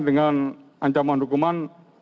dengan ancaman hukuman